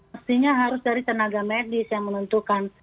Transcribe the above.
mestinya harus dari tenaga medis yang menentukan